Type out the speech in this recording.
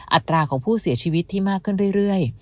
อัตราของผู้เสียชีวิตที่มากขึ้นเรื่อย